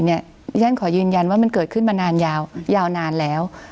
ดิฉันขอยืนยันว่ามันเกิดขึ้นมานานยาวนานแล้ว